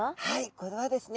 これはですね